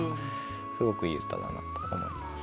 すごくいい歌だなと思います。